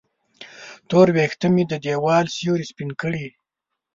تور وېښته مې د دیوال سیورې سپین کړي